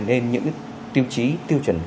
lên những tiêu chí tiêu chuẩn